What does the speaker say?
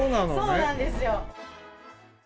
そうなんですよ。